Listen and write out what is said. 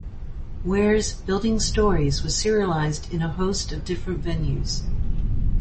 Ware's "Building Stories" was serialized in a host of different venues.